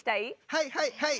はいはいはい！